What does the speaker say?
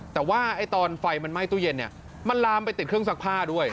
แต่ว่าตอนไฟมันไหม้ตู้เย็นเนี่ยมันลามไปติดเครื่องซักผ้าด้วย